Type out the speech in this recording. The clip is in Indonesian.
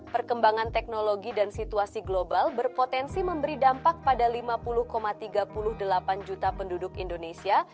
perkembangan teknologi dan situasi global berpotensi memberi dampak pada lima puluh tiga puluh delapan juta penduduk indonesia